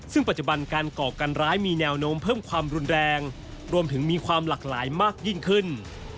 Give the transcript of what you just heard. ซึ่งปัจจุบันการก่อการร้ายมีแนวโน้มเพิ่มความรุนแรงรวมถึงมีความหลากหลายมากยิ่งขึ้น